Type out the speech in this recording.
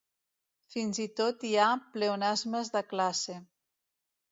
Fins i tot hi ha pleonasmes de classe.